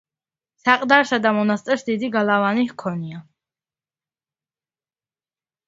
საყდარსა და მონასტერს დიდი გალავანი ჰქონია.